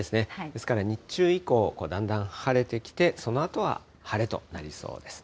ですから、日中以降、だんだん晴れてきて、そのあとは晴れとなりそうです。